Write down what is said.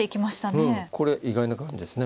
うんこれ意外な感じですね。